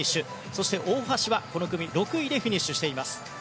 そして大橋は、この組６位でフィニッシュしています。